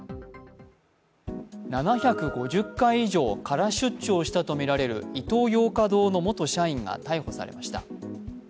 ７５０回以上カラ出張したとみられるイトーヨーカ堂の元社員が逮捕されました。